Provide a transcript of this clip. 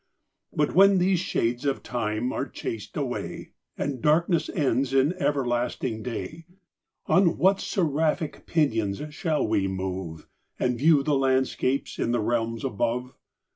But when these shades of time are chas'd away, And darkness ends in everlasting day, On what seraphic pinions shall we move, And view the landscapes in the realms above?